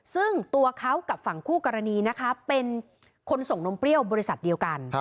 ซึ่งตัวเขากับฝั่งคู่กรณีนะคะเป็นคนส่งนมเปรี้ยวบริษัทเดียวกัน